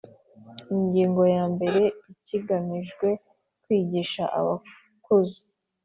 Igingo ya mbere Ikigamijwe kwigisha abakuze